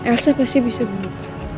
elsa pasti bisa berubah